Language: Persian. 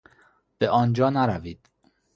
به آن جا نروید.